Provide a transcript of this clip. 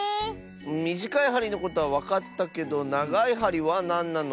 みじかいはりのことはわかったけどながいはりはなんなの？